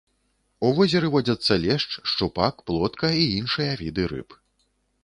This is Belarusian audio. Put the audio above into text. У возеры водзяцца лешч, шчупак, плотка і іншыя віды рыб.